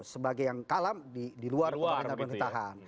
sebagai yang kalam di luar pemerintahan pemerintahan